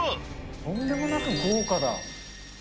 とんでもなく豪華だ。